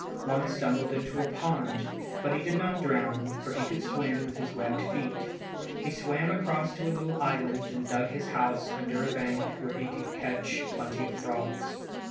One stumbled into a pond, but he did not drown, for he could swim with his webbed feet. He swam across to a small island and dug his house under a bank where he could catch plenty of frogs.